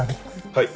はい。